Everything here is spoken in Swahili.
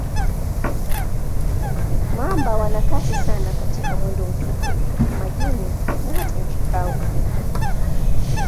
Mamba wana kasi sana katika mwendo mfupi, majini na hata nchi kavu.